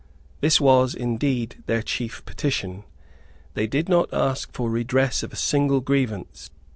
This was indeed their chief petition. They did not ask for redress of a single grievance.